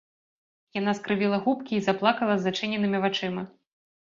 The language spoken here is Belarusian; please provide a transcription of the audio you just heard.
Яна скрывіла губкі і заплакала з зачыненымі вачыма.